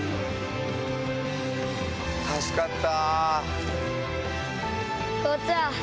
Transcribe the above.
助かった。